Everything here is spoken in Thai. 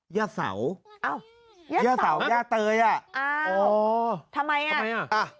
ย่าเสาย่าเตย่ะอ้าวทำไมน่ะ